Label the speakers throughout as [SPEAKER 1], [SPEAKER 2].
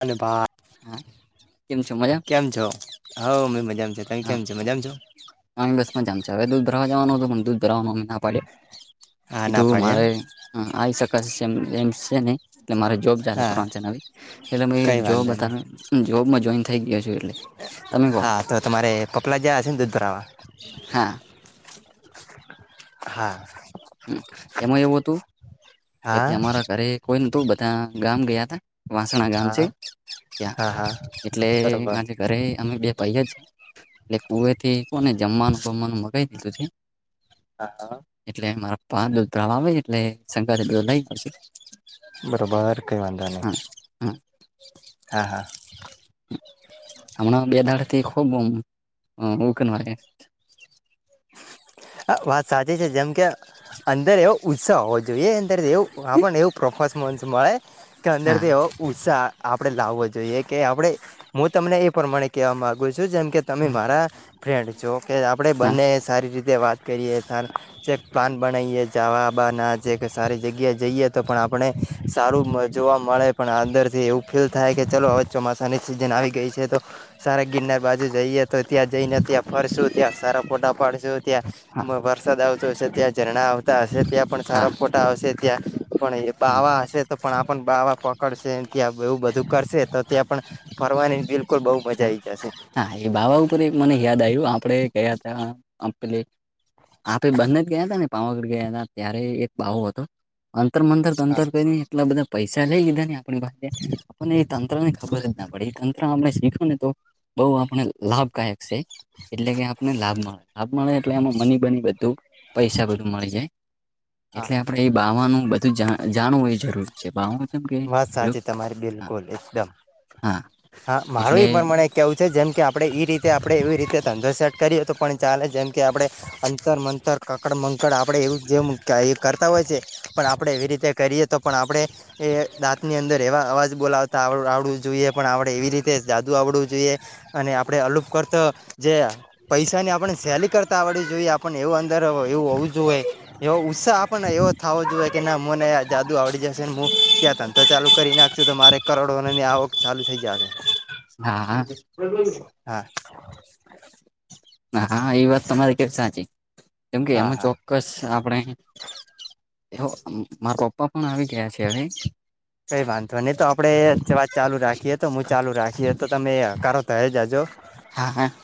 [SPEAKER 1] અ ભાઈ
[SPEAKER 2] હા કેમ છો મજા
[SPEAKER 1] કેમ છો હ મજામ છે
[SPEAKER 2] બસ માં જામ છે હવે દૂધ ભરાવા જવાનો હતો પણ દૂધ ભરાવામાં અમે ના પાડ્યો
[SPEAKER 1] હા ના
[SPEAKER 2] એીધું
[SPEAKER 1] પાડે એમ
[SPEAKER 2] મારે આવી શકાશે એ એમ છે નહી એટલે મારે જોબ ચાલુ
[SPEAKER 1] હા
[SPEAKER 2] કરવાનું છે નવી એટલે
[SPEAKER 1] કઈ
[SPEAKER 2] જોબ
[SPEAKER 1] વાંધો નહી
[SPEAKER 2] જોબ જોઈન થઈ ગયો છ તમે કો
[SPEAKER 1] હા તો તમારે પપલા જયા હશે ને દૂધ ભરાવવા.
[SPEAKER 2] હા.
[SPEAKER 1] હા.
[SPEAKER 2] એમાં એવું હતું
[SPEAKER 1] હા
[SPEAKER 2] કે અમારા ઘરે કોઈ નતું બધા ગામ ગયા હતાા. વાસણા ગામ છે
[SPEAKER 1] હા
[SPEAKER 2] ત્યાં
[SPEAKER 1] હા હા
[SPEAKER 2] એટલે
[SPEAKER 1] બરોબર
[SPEAKER 2] આજ. ઘરે અમે બે પાઈ એટલે કુવે થી કોને જમવાનું બમવાનું મગાવી દીધું.
[SPEAKER 1] હા હા
[SPEAKER 2] [unintelligible]
[SPEAKER 1] બરાબર કંઈ વાંધો નહી
[SPEAKER 2] હા હા
[SPEAKER 1] હા હા
[SPEAKER 2] હમણાં બે દાડથી ખુબકેય
[SPEAKER 1] હ વાત સાચી છે જેમ કે અંદર એવો ઉત્સવ હોવો જોઈ જોઈએ અંદરથી એવું આ પણ એવું પ્રોફસ મોન્સ મળે કે અંદર
[SPEAKER 2] હા
[SPEAKER 1] થી એ ઉત્સાહ આપણે લાવવો જોઈએ કે આપણે હું તમને એ પ્રમાણે કહેવા માગુ છું જેમ કે, તમે મારા ફ્રેન્ડ છો કે આપણે
[SPEAKER 2] હા
[SPEAKER 1] બંને સારી રીતે વાત કરીએ જેેક પ્લાન બનાઈએ જવાબાના જે કે સારી જગ્યા જઈએ. તો પણ આપણે સારું જોવા મળે પણ અંદરથી એવું ફીલ થાય કે ચલો હવે ચોમાસાની સિઝન આવી ગઈ છે તો સારા ગિરનાર બાજુ જઈએ તો ત્યાં જઈને ત્યાં ફરસું ત્યાં સારા ફોટા પાડ
[SPEAKER 2] હા
[SPEAKER 1] ત્યાં વરસાદ આવતો હશે ત્યાં ઝરણા આવતા હશે ત્યાં પણ
[SPEAKER 2] હા
[SPEAKER 1] સારા આવશે ત્યાં પણ બાવા હશે. પણ આપ પણ બાવા પકડશે ત્યાં એવું બધું કરશે તો ત્યાં પણ ફરવાની બિલ લ બહુ મજા આ આવી જશે.
[SPEAKER 2] હા એ બાવા ઉપર મને યાદ આવ્યું આપડે ગયા હતા આપે બંને જ ગયા હતાા ને પાવાગઢ ગયા હતા ત્યારે એક બાવો હતો. અંતર મંતર તો જંતર કરી એટલા બધા પૈસા લઈ લીધા ને આપણી પાસેે આપને એ તંત્ર ને ખબર જ ના પડે એ તંત્ર આપણે શીખવા ને તો બહુ આપણે લાભદાયક છે. એટલે કે આપને લાભ મળે લાભ મળે એટલે એમાં મની બની બધું પૈસા બધું મળી જાય
[SPEAKER 1] હા
[SPEAKER 2] એટલે આપણેે એ બાવાનું બધું જાણવું એ જરૂરી
[SPEAKER 1] વાત સાચી તમારી
[SPEAKER 2] હા
[SPEAKER 1] બિલકુલ એકદમ..
[SPEAKER 2] હા
[SPEAKER 1] હા
[SPEAKER 2] એટલે
[SPEAKER 1] મારું પ્રમાણ એક કેહવું છે જેમ કે આપણે એઈ રીતે તે આપણે એવી રીતે ધંધો સેટ કર્યો હતો પણ ચાલે જેમ કે આપણે અંતર મંતર કકડ મકડ આપડે એવું જેવ કરતા હોય છે પણ આપડે રીતે કરીએ તો પણ આપણે એ દાંતની અંદર એવા અવાજ બોલાવતા આવ આવડું જોઈએ. પણ આપણે એવી રીતે જાદુ આવડવું જોઈએ અને આપણે અલુપ કરતો જે- પૈસા ની આપણે સેલી કરતા આવડવી જોઈએ આપને એવું અંદર એવું હોવું જોઇએ. એવો ઉત્સાહ આપણને એવો થવો જોઈએ કે ના મને જાદુ આવડી જશેને હ તો ચાલુ કરી નાખશુ તો મારે કરોડોને આવક ચાલુ થઇ જાત
[SPEAKER 2] હા હા
[SPEAKER 1] હા.
[SPEAKER 2] હા એ વાત તમારી ક સાચી કેમ કે
[SPEAKER 1] હા
[SPEAKER 2] એમાં
[SPEAKER 1] હા
[SPEAKER 2] ચોક્કસ આપણે એ મારા પપ્પા પણ આવી ગયા છે હવે
[SPEAKER 1] કઈ વાંધો નહી તો આપડે વાત ચાલુ રાખીએ તો હું ચાલુ રાખીએ તો તમે કરો તો જ જો.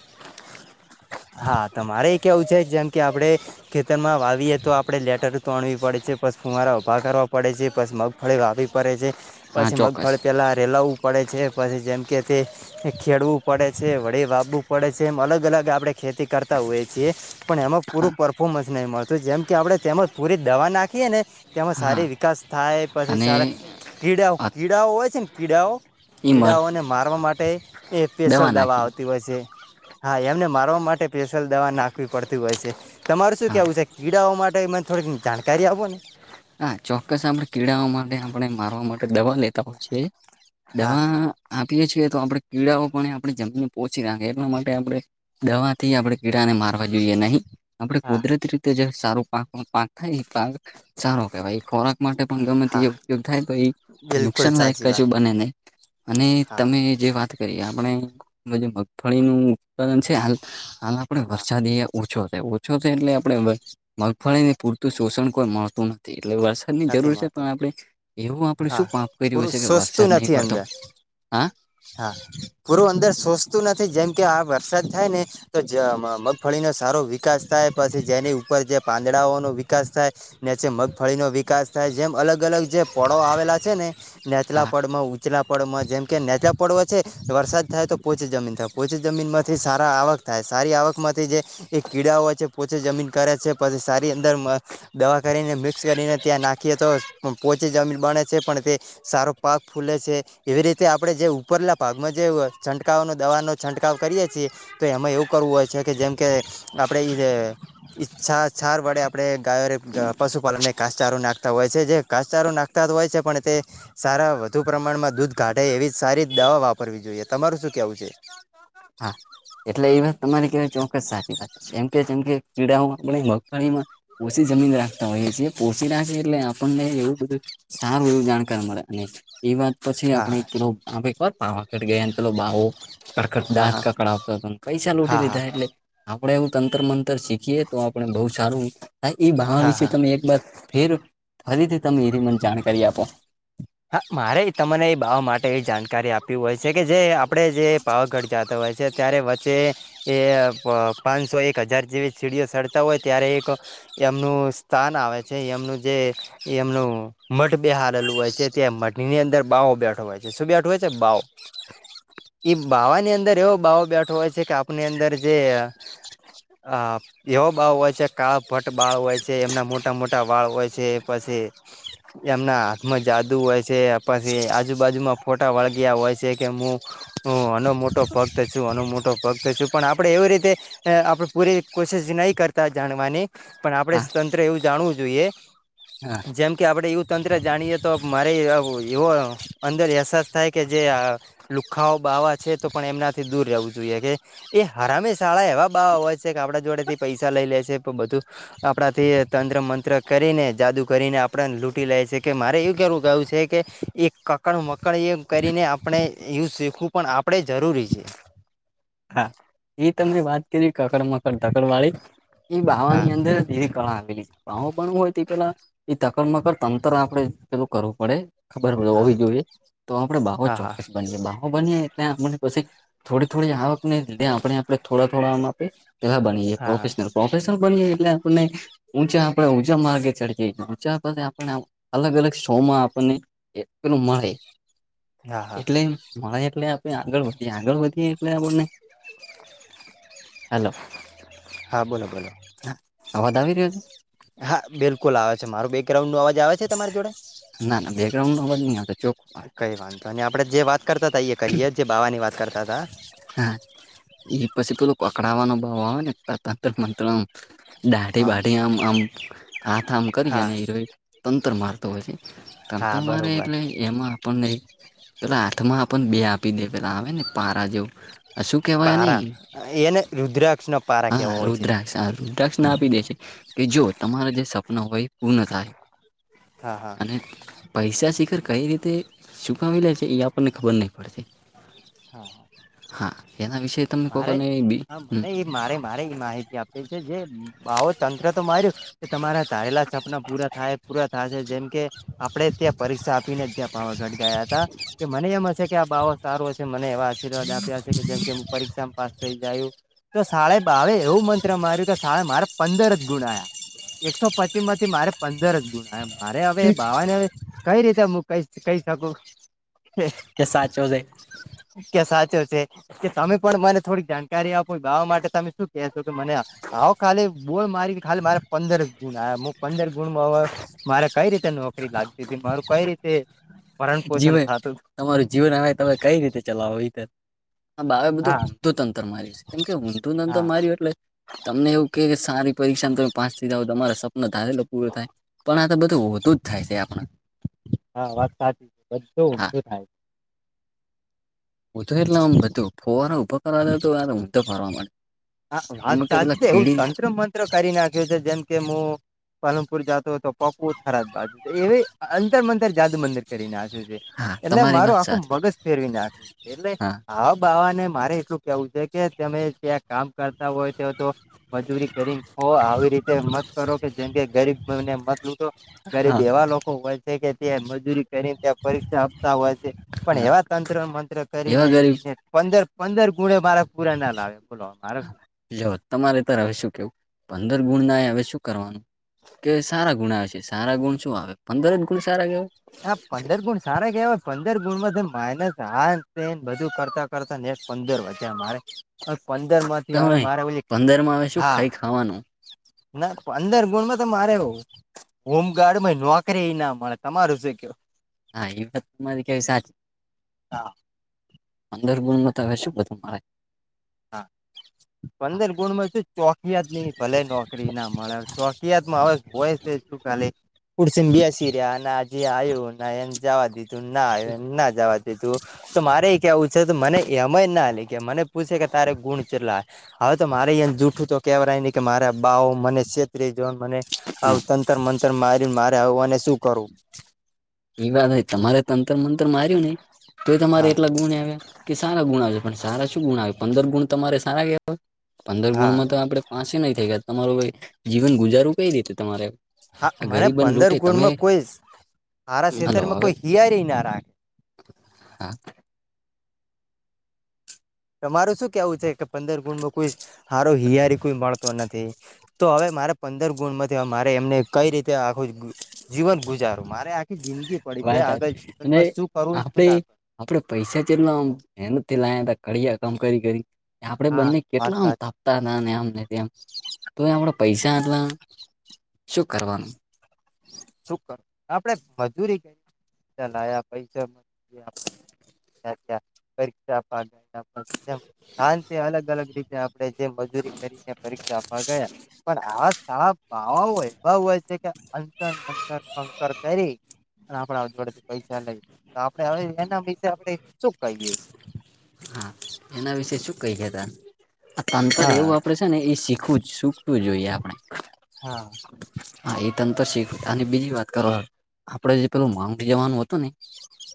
[SPEAKER 2] [inaudible]
[SPEAKER 1] હા તમારે કેવું છે જેમ કે આપડે ખેતર માં વાવીએે તો આપડે લેટર તોણવી પડે છે પસ ફુવારા ઉભા કરવા પડે છે પસ મગફળી વાવી પરે છે
[SPEAKER 2] હા
[SPEAKER 1] પછી
[SPEAKER 2] ચોક્કસ
[SPEAKER 1] મગફળી પેલા રેલાવવું પડે છે પછી જેમ કે તે એ ખેડવું પડે છે વળી વાવવું પડે છે એમ અલગ અલગ આપડે ખેતી કરતા હોઈએ છીએ. પણ એમાં પૂરું પરફોર્મન્સ નહી મળતું જેમ કે આપડે તેજ પૂરી દવા નાખીએ ને તેમાં
[SPEAKER 2] હા
[SPEAKER 1] સારી વિકાસ થાય પછી
[SPEAKER 2] અને
[SPEAKER 1] સારા કીડાઓ કીડાઓ હોય છે ને કીડાઓ
[SPEAKER 2] ઈ મર
[SPEAKER 1] કીડાઓને મારવા માટે એ સ્પેશલ દવા આવતી હોય છે. હા એમને મારવા માટે સ્પેશિયલ દવા નાખવી પડતી હોય છે. તમારું શું
[SPEAKER 2] હા
[SPEAKER 1] કેહેવું છે? કીડાઓ માટે મને થોડીક જાણકારી આપો ને.
[SPEAKER 2] હા ચોક્કસ આપણે કીડાઓ માટે આપણે મારવા માટે દવા લેતા હોય છે. દવા
[SPEAKER 1] હા
[SPEAKER 2] આપીએ છીએ તો આપણે કીડાઓ પણ આપણે જમીનને પોચી રાખે એટલા માટે આપણે દવા થી આપડે કીડાને મારવા જોઈએ નહી. આપડે કુદરતી રીતે જે સારું પાક પાક થાય એ પાક. સારો કેહેવાય એ ખોરાક માટે પણ ગમે
[SPEAKER 1] હા
[SPEAKER 2] એ ઉપયોગ થાય તો એ
[SPEAKER 1] બિલકુલ
[SPEAKER 2] નુકસાન લાયક
[SPEAKER 1] સાચી વાત
[SPEAKER 2] કશું બને નને. અને
[SPEAKER 1] હા
[SPEAKER 2] તમે. જે વાત કરીએ આપણે જે મગફળીનું ઉત્પાદન છેાલ. આપણે
[SPEAKER 1] હા,
[SPEAKER 2] વરસાદી અહીયા ઓછો થાય ઓછો થાય એટલે આપણેે મગફળી ને પૂરતું શોષણ કો મળ. શ નથી એટલેસ. વ ની
[SPEAKER 1] નથી
[SPEAKER 2] જરૂર છે પણ
[SPEAKER 1] મળતું
[SPEAKER 2] આપણે એવું આપણે
[SPEAKER 1] હા
[SPEAKER 2] શું પાપ કર્યું
[SPEAKER 1] પૂરું
[SPEAKER 2] છે કે
[SPEAKER 1] સોચતું
[SPEAKER 2] વરસાદ નહીં
[SPEAKER 1] નથી
[SPEAKER 2] પડતો.
[SPEAKER 1] અંદર
[SPEAKER 2] હા.
[SPEAKER 1] હા પૂરું અંદર સોચતું નથી જેમ કે આ વરસાદ થાય ને. તો મગફળીનોો સારો વિકાસ થાય પછી જેની. ઉપર જે પાંદડાઓ ન વિકાસ થાય ને મગફળીનોો. વિકાસ થાય જેમ અલગ અલગ જે પળો આવેલા છે ને નેચલા
[SPEAKER 2] હા
[SPEAKER 1] પળમાં ઉચલા. પર્વ જેમ કે નેચલાા પર્વ છે. વરસાદ થાય તો પોચી જમીન થાય પોચી જમીનમાંથી સારા આવક થાય સારી આવકમાંથી જે. એ કીડા હોય છે પોતે જમીન કરે છે પછી સારી અંદર દવા કરીને મિક્સ કરીને. ત્યાં નાખીએ તો. પણ પોચી જમીન બને છે પણ તે સારો પાક ફૂલે છે. એવી રીતે આપડણે જે ઉપરલા ભાગમાં જે છંટકાવનો દવાનોો છંટકાવ કરીએ છીએ. તો એમાં એવું કરવું હોય છે કે જેમ કે આપડે એ જે. ઈચ્છા સાર વડે આપડણે ગાયો પશુપાલન ને કાસ. ચારું નાખતા હોય છે જે કાચારો નાખતા જ હોય છે પણ તે. સારા વધુ પ્રમાણમાં દૂધ કાઢે એવી સારી દવા વાપરવી જોઈએ તમારું શું કેવું છે.
[SPEAKER 2] હા એટલે એ વાત તમારે કેહેવાય ચોક્કસ સારી વાત છે. જેમ કે જેમ કે કીડાઓ આપ મગફળીમાં ઓછી જમીન રાખ. હોય પોસીી રહ્યા છે એટલે આપણને એવું બધું સારું એવું જાણકાર મળે અને. એ વાત પછી
[SPEAKER 1] હા
[SPEAKER 2] આપડે પેલો આપે વાર પાવાકઢ ગયાને પેલો બાવો.
[SPEAKER 1] હા
[SPEAKER 2] દાંત
[SPEAKER 1] હા
[SPEAKER 2] કકડ આવતો હતો પૈસા
[SPEAKER 1] હા
[SPEAKER 2] લૂટી
[SPEAKER 1] હા
[SPEAKER 2] લીધા
[SPEAKER 1] હા
[SPEAKER 2] એટલે આપડે એવું તંત્ર મ. શીખીએ તો આપણે બહ સારુંા એ બાહ
[SPEAKER 1] હા
[SPEAKER 2] વિશે
[SPEAKER 1] હા
[SPEAKER 2] તમે એકર. ફેર ફરીથી તમે એ ર મને જાણકારી આપો.
[SPEAKER 1] હા મારે તમને એ બા માટે એ જાણકારી આપી હોય છે કે જે આપણે જે. પાવ ઘટ જતો હોય છે ત્યારે વચ્ચે. એ પાંચસો એક હજાર જેવી સીડીઓ સડતા હોય ત્યારે એક. એમનું સ્થાન આવે છે એમનું જે એમનું મઠ બહારેલું હોય છે. મનીની અંદર બાાવો બેઠો હોય છે શું બેઠો હોય છે બાવ. ઈ બાવાની અંદર એવો બાાવો બેઠો હોય છે કે આપની અંદર જે. અ [unintelligible] એવો બાળ હોય છે કાળ ભટ્ટ બાળ હોય છે એમના મોટા મોટા વાળ હોય છે પછી. એમના હાથમ જાત. હોય છે પછી આજુબાજુમાં ફોટા વળગયા હોય છે કે હું. હ અનો મોટો ભક્ત છું અનો મોટો ભક્ત છું પણ આપણે એવી રીતે. અ આપણે પૂરી કોશિશ નહીં કરતા જાણવાની. પણ આપડે
[SPEAKER 2] હા
[SPEAKER 1] તંત્ર એવું જાણવું જોઈએ.
[SPEAKER 2] હા.
[SPEAKER 1] જેમ કે આપણે એયું તંત્ર જાણીએ તો મારે એવો અંદર અહેસાસ થાય કે જે આ. લુખાઓ બાવા છે તો પણ એમનાથી દૂર રહેવું જોઈએ કે એ હરામે શાળા એવા બા હોય છે કે આપડા જોડે થી પૈસા લઈ લે છે પણ બધું આપણા થી તંત્ર મંત્ર કરીને જાદુ કરીને આપડને લૂંટી લે છે કે મારે એવું કેવું કયું છે કે એ કકડ મકડ એ કરીને આપણે એું શીખવું પણ આપણેે જરૂરી છે
[SPEAKER 2] હા એ તમને વાત કરી કકડ મકડ ધકડવાળી એ બાવા
[SPEAKER 1] હા
[SPEAKER 2] ની અંદર દેવી કડા આવેલી છે. પાવો પણણ હોય તે પેલા એ તકડ મકડ તંત્ર આપણે પેલું કરવું પડે. ખબર પ
[SPEAKER 1] હા
[SPEAKER 2] હોવી જોઈએ તો આપડે બાવો
[SPEAKER 1] હા હા
[SPEAKER 2] ચોક્કસ બ બાવો બની એટલે આપમને પછી થોડી થોડી આવકને લીધે આપણે આપણે થોડા થોડા આમ આપે એવા બધીયે
[SPEAKER 1] હા
[SPEAKER 2] પ્રોફેશનલ પ્રોફેશનલ બનીએ એટલે આપને ઉચા આપણે ઊંચા માર્ગે ચડીએ જ‌ઈ ઉચા પ આપણે અલગ અલગ સોમાં આપણને એટલું મળે
[SPEAKER 1] હા હા
[SPEAKER 2] એટલે મળે એટલે આપણે આગળ વધીએ આગળ વધીએ એટલે આપને
[SPEAKER 1] હા બોલો બોલો
[SPEAKER 2] હા અવાદ આવી રહ્યો છે.
[SPEAKER 1] હા બિલકુલ આવે છે મારું બે. ગ્રાઉન્ડ નો અવાજ આવે છે તમારી જોડે
[SPEAKER 2] છે ના ના બેકગ્રાઉન્ડ નો અવાજ નહી આવતો ચોખ્ખો આવે
[SPEAKER 1] કંઈ વાંધો ન‌ઇ આપણે જે વાત કરતા હતા એ કરીએ જે બાવાની વાત કરતા તા
[SPEAKER 2] હા એ પસે પેલું અકડાવાનો ભાવવાને ત તંત્ર મંતમ દાઢી
[SPEAKER 1] હા
[SPEAKER 2] બાઢી આમ આમ હાથ આમ કરી
[SPEAKER 1] હા
[SPEAKER 2] અને એરો તંતર મારતો હોય છે.
[SPEAKER 1] હા
[SPEAKER 2] તંતર મારે
[SPEAKER 1] બરોબર
[SPEAKER 2] એટલે એમાં આપણને પેલા હાથમાં પણ બે આપી દે પેલા આવે ને પારા જેવું શું કેવાય એને
[SPEAKER 1] રુદ્રાક્ષના
[SPEAKER 2] હા રુદ્રાક્ષ આ રુદ્રાક્ષ ના આપી દે છે કે જો તમારા જે સપના હોય એ પૂર્ણ થાય
[SPEAKER 1] હા હા
[SPEAKER 2] અને પૈસા શિખર કઈ રીતે ચૂકાવી લે છે એ આપણને ખબર નહીં પડશે.
[SPEAKER 1] હા હા
[SPEAKER 2] હા એના વિશેે તમમે કોકોને બી
[SPEAKER 1] હા
[SPEAKER 2] હ
[SPEAKER 1] મને એ મારે મારે એ માહિતી આપે છે જે. આવો તંત્ર તો માર્યું કે તમારા ધારેલા સપના પૂરા થાય પૂરા થશે જેમ કે આપડે ત્યાં પરીક્ષા આપીને ત્યાં પાવાગઢ ગયા તા કે મને એમ હશે કે આ બાવ સારું હ છે મને એવા આશીર્વાદ આપ્યા છે કે જેમ કે હું પરીક્ષામાં પાસ થઈ જયું તો સાડે બાવે એવું મંત્ર માર્યું કે સારે મારે પંદર જ ગુણ્યા એકસો પચીસ માંથી મારે પંદર જ ગુણ્યા મારે હવે બાવાને કઈ રીતે હું ક કહી શકું કે
[SPEAKER 2] સાચો છે
[SPEAKER 1] કે સાચવજે છે સામે પણ મને થોડીક જાણકારી આપો બાવા માટે તમે શું કેહે છો કે મને હા ખાલી બોલ મારી ખાલી મારે પંદર ગુણ પંદર ગુણમાં હ મારે કઈ રીતે નોકરી લાગતી તી મારું કઈ રીતે ભરણ પોષણ
[SPEAKER 2] જીવન
[SPEAKER 1] થતું
[SPEAKER 2] તમારું જીવન હ તમે કઈ રીતે ચલાવો આ બાવા બધું
[SPEAKER 1] હા
[SPEAKER 2] ઊંધું તંતર માર્યું છે કેમ કે ઊંધું તંતર
[SPEAKER 1] હા
[SPEAKER 2] માર્યું એટલે તમને એવું કે કે સારી પરીક્ષાને તમે પાસ થ‌ઇ જાવ તમારે સપના ધારેલો પૂરો થાય પણ આ તો બધું ઊંધું થાય છે આપણા
[SPEAKER 1] હા વાત સાચી છે બધું
[SPEAKER 2] હા
[SPEAKER 1] ઊંંધું થાય છે.
[SPEAKER 2] હું તો એટલા આમ બધું ફુવારા ઉપર કરવા જતો હારા ઊંધું ફરવા માંડ્યું.
[SPEAKER 1] હા વાત સાચી છે એવું તંત્ર મંત્ર કરી નાખ્યું છે જેમ કે હું પાલનપુર જાતો હતો પકુલ થરાદ બાજુ એવી અંતર મંતર જાદુ મંતર કરી નાખિયુ છે.
[SPEAKER 2] હા
[SPEAKER 1] એટલે
[SPEAKER 2] તમારી
[SPEAKER 1] મારું
[SPEAKER 2] વાત
[SPEAKER 1] આખું
[SPEAKER 2] સાચી
[SPEAKER 1] મગજ ફેરવી નાખ્યું એટલે
[SPEAKER 2] હા
[SPEAKER 1] આ બાવાને મારે એટલું કેવું છે કે તમે જે કામ કરતા હોય તો તો. મજૂરી કરીને હો આવી રીતે મત કરો કે જેમ કે ગરીબને મત લુટો. ગરીબ
[SPEAKER 2] હા
[SPEAKER 1] એવા લોકો હોય છે કે ત્યાં મજૂરી કરી. ત પરીક્ષા આપતા હોય છે પણ
[SPEAKER 2] હા
[SPEAKER 1] એવા તંત્ર મંત્ર કરીને
[SPEAKER 2] એવા ગરીબ
[SPEAKER 1] પંદર. પંદર ગુણે મારા પૂરા ના લાવે બોલો મારા.
[SPEAKER 2] જો તમારે તો હવે શું કેવું પંદર ગુણ ના હવે શું કરવાનું. કે સારા ગુણ આવે છે સારા ગુણ શું આવે પંદર જ ગુણ સારા કેવા.
[SPEAKER 1] આ પંદર ગુણ સારા કેવાય પંદર ગુણમાં માઇનસ આઠ બધું કરતા. કરતા ને પંદર વધ્યા મારે પંદર માં.
[SPEAKER 2] તમે
[SPEAKER 1] મારા
[SPEAKER 2] પંદર માં હવે શું
[SPEAKER 1] હા.
[SPEAKER 2] ખાઈ ખાવાનું
[SPEAKER 1] ના પંદર ગુણ માં તો મારે હોમગાર્ડ માં નોકરી ના મળે. તમારું શ ક.
[SPEAKER 2] હા વત મધ કે સાારી.
[SPEAKER 1] હા.
[SPEAKER 2] અંદર ગુલમાં તો હ શું બધું મા.
[SPEAKER 1] હા પંદર ગુણમાં ચોકિયા જ નઈ ભલે નો. ચકરી ના મળે ચોકીયાતમાં હવે હોય છે શું કાલે. પુરસેને બીસી રહ્યા ના હજી આવ્યું ના એમ જવા દીધું ના આવ્યું એમ ના જવા દધું. તું તો મારે કેવું છે તો મને એમ જ ના લે કે મને પૂછે કે તારે ગુણ ચલા. હવે તો મારે અ જૂઠું તો કેહેવાય નહી કે મારા બાઉ મને છેત્રી જોન મને. આવ
[SPEAKER 2] હા
[SPEAKER 1] તંતર મંતર મારી મારે આવવાને શું કરું.
[SPEAKER 2] એ વાત ન તમારે તંતર મંતર માર્યું નહી તો તમારે
[SPEAKER 1] હા
[SPEAKER 2] એટલા ગુણ આવ્યા. કે સારા ગુણ આવે છે પણ સારા શું ગુણ આવે પંદર ગુણ તમારે સારા કેવા હોય પંદર
[SPEAKER 1] હા
[SPEAKER 2] ગુણમાં તો આપડણે. પાસે નહી થઈ ગયા તમારું જીવન ગુજારું કઈ રીતે તમારે.
[SPEAKER 1] હા
[SPEAKER 2] આ
[SPEAKER 1] મને
[SPEAKER 2] ગરીબન
[SPEAKER 1] પંદર
[SPEAKER 2] લૂટે તમે
[SPEAKER 1] ગુણમાં કોઈ સારા
[SPEAKER 2] હલો
[SPEAKER 1] કષેતરમાં
[SPEAKER 2] હવે
[SPEAKER 1] કોઈ હિયારી ના રાખે.
[SPEAKER 2] હા.
[SPEAKER 1] તમારું શું કેવું છે કે પંદર ગુણમાં કોઈ સારો હિયારી કોઈ મળતો નથી. તો હવે મારે પંદર ગુણ માંથી મારે એમને કઈ રીતે આખું જીવન ગુજાવ. મારે આખી જિંદગી પડી છે
[SPEAKER 2] વાત
[SPEAKER 1] આગળ
[SPEAKER 2] અને
[SPEAKER 1] જીવનમાં શું કરવું શું
[SPEAKER 2] આપડે
[SPEAKER 1] ના કર.
[SPEAKER 2] આપડે પૈસા છેટલા આમ એ નથી લાવયા ત કિયા કામ કરી કરી. આપડે
[SPEAKER 1] હા
[SPEAKER 2] બંને
[SPEAKER 1] વાત
[SPEAKER 2] કેટલા અંત
[SPEAKER 1] સાચી
[SPEAKER 2] આપ. નેમને તો આપણા પૈસાટવા શું કરવાનું.
[SPEAKER 1] શું કર આપડે મજૂરી ક ચલાયા પૈસા મજરી આપ. પરીક્ષા પા. હા તે અલગ અલગ રીતે આપણે જે મજૂરી કરીને પરીક્ષા આપવા ગયા. પણ આ સાાર ભવાઓ એવા હોય છે કે અંતર મંતર કંકર કરી. આપડ જોડેથી પૈસા લઈ આપડે હવે એના વિશે આપણે શું કહીએે.
[SPEAKER 2] હા એના વિશેે શું કહી ત. આ તંતર
[SPEAKER 1] હા
[SPEAKER 2] એવું આપડે છે ને એ શીખવું જ શીખવું જોઈએ આપણે.
[SPEAKER 1] હા.
[SPEAKER 2] હા એ તંતર શીખ અને બીજી વાત કરો આપડે જે પેલું માંગી જવાનું હતું ને.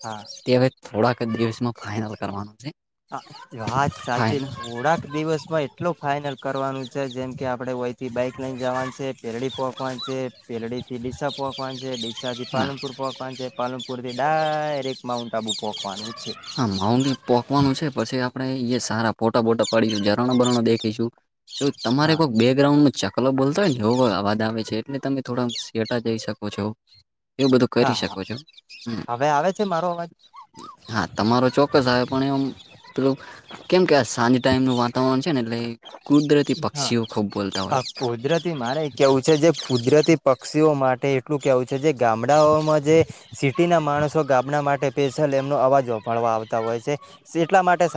[SPEAKER 1] હા.
[SPEAKER 2] તે હવે થોડાક દિવસ.
[SPEAKER 1] વાત સાચે
[SPEAKER 2] ફાઈનલ
[SPEAKER 1] થોડા. એક દિવસમાં એટલો ફાઈનલ કરવાનું છે જેમ કે આપડે વયથી બાઈક લઈને જવાનું છે પેરડીપપ. પકવાન છે પેલડી થી ડીસા પકવાન છે ડીસા થી
[SPEAKER 2] હા
[SPEAKER 1] પાલનપુર. પકવાન છે પાલનપુરથી ડાયરેક્ટ માઉન્ટ આબુ પકવાન છે.
[SPEAKER 2] હા માઉી પોકવાનું છે પછી આપણેે સારા ફોટા બોટા પડીશું રણ બરણો દેખીશું. એ તમારે
[SPEAKER 1] હા
[SPEAKER 2] કોઈક બે. ગ્રાઉન્ડો ચકલો બોલતા હોય ને એવ અવાજ આવે છે એટલે તમે થોડા શેટા જઈ શકો છો. એવું બધું કરી
[SPEAKER 1] હા
[SPEAKER 2] શકો છો હમ
[SPEAKER 1] હવે આવે છે મારો અવાજ
[SPEAKER 2] હા તમારો ચોક્કસ આવે પણ એવ પેલું કેમ કે આ સાંજે ટાઈમનું વાતાવરણ છે ને એટલે કુદરતી
[SPEAKER 1] હા
[SPEAKER 2] પક્ષીઓ ખૂબ બોલતા
[SPEAKER 1] આ
[SPEAKER 2] હોય
[SPEAKER 1] કુદરતી મારે કેવું છે જે કુદરતી પક્ષીઓ મા તે એટલું કેહેવું છે જે ગામડાઓમાં જે સિટી ના માણસો ગામડા માટે સ્પેસલ એમનો અવાજ સોભળવા માટે આવતા હોય છે એટલા માટે